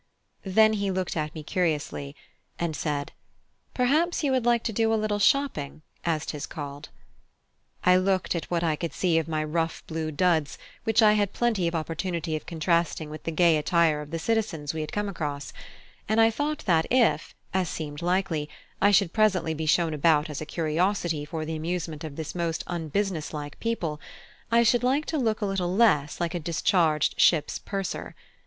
Then he looked at me curiously, and said, "Perhaps you would like to do a little shopping, as 'tis called." I looked at what I could see of my rough blue duds, which I had plenty of opportunity of contrasting with the gay attire of the citizens we had come across; and I thought that if, as seemed likely, I should presently be shown about as a curiosity for the amusement of this most unbusinesslike people, I should like to look a little less like a discharged ship's purser.